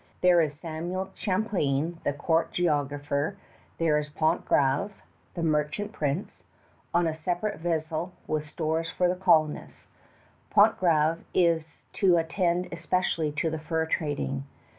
There is Samuel Champlain, the court geographer; there is Pontgravé, the merchant prince, on a separate vessel with stores for the colonists. Pontgravé is to attend especially to the fur trading.